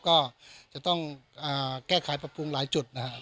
ก็จะต้องแก้ไขปรับปรุงหลายจุดนะครับ